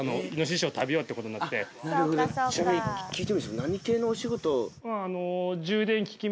ちなみに聞いてもいいですか？